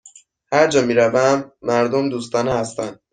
هرجا می روم، مردم دوستانه هستند.